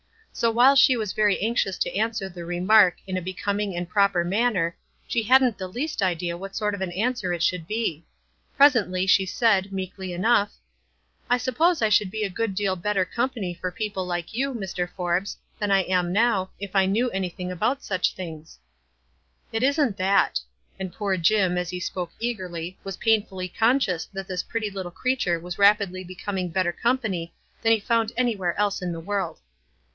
So while she was very anxious to answer the remark in a becom ing and proper manner, she hadn't the least idea what sort of an answer it should be. Presently she said, meekly enough, — "I suppose I should be a good deal better company for people like you, Mr. Forbes, than I am now, if I knew anything about such things." "It isn't that." And poor Jim, as he spoke eagerly, was painfully conscious that this pretty little creature was rapidly becoming better com pany than he found anywhere else in the world.